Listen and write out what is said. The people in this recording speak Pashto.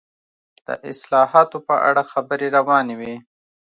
د اصلاحاتو په اړه خبرې روانې وې.